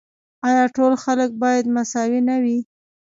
آیا ټول خلک باید مساوي نه وي؟